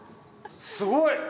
すごい！